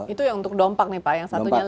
itu yang untuk dompak nih pak yang satunya lagi